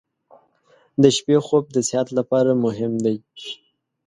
• د شپې خوب د صحت لپاره مهم دی.